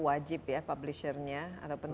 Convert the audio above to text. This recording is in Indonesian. apakah itu sekarang